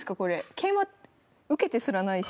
桂馬受けてすらないし。